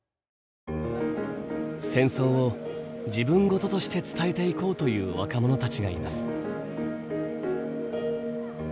戦争を自分ごととして伝えていこうという若者たちがいます。